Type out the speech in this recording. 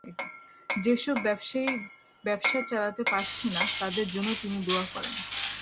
যেসব ব্যবসায়ী ব্যবসা চালাতে পারছে না, তাদের জন্য তিনি দোয়া করেন।